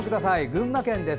群馬県です。